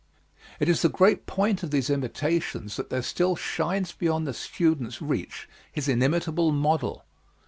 It is the great point of these imitations that there still shines beyond the student's reach, his inimitable model.